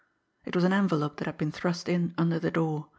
It was an envelope that had been thrust in under the door.